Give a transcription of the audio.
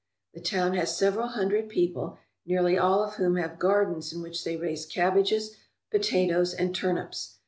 The town has several hundred people, nearly all of whom have gardens in which they raise cabbages, potatoes, and turnips.